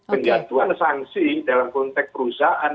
penyatuan sansi dalam konteks perusahaan